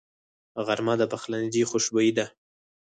غرمه د پخلنځي خوشبويي ده